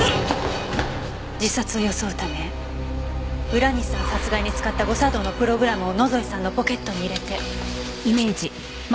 自殺を装うため浦西さん殺害に使った誤作動のプログラムを野添さんのポケットに入れて。